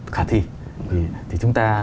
khả thi thì chúng ta